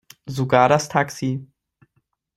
Sogar das Taxi.